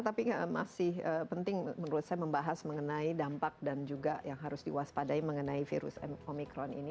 tapi masih penting menurut saya membahas mengenai dampak dan juga yang harus diwaspadai mengenai virus omikron ini